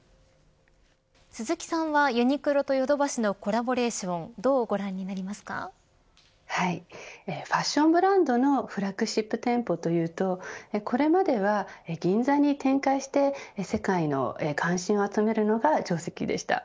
鈴木さんは、ユニクロとヨドバシのコラボレーションどうご覧になりますか。はい、ファッションブランドのフラッグシップ店舗というとこれまでは銀座に展開して世界の関心を集めるのが定石でした。